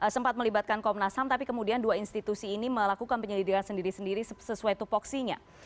sempat melibatkan komnas ham tapi kemudian dua institusi ini melakukan penyelidikan sendiri sendiri sesuai tupoksinya